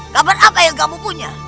kapan apa yang kamu punya